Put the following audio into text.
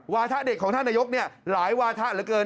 วาทะเด็กของท่านนายกหลายวาถะเหลือเกิน